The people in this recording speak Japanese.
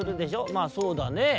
「まあそうだねぇ」。